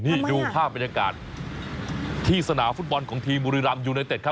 นี่ดูภาพบรรยากาศที่สนามฟุตบอลของทีมบุรีรำยูไนเต็ดครับ